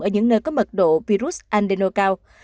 ở những nơi có mật độ virus adeno cao